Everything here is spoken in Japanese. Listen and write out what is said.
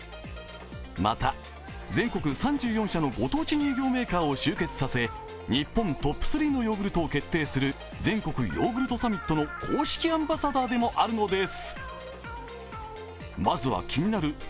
また、全国３４社のご当地乳業メーカーを終結させ、日本トップ３のヨーグルトを決定する全国ヨーグルトサミットの公式アンバサダーでもあるんです。